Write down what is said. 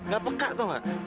gak peka tau gak